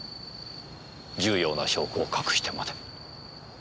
重要な証拠を隠してまで。